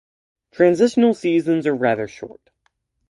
Transitional seasons are rather short.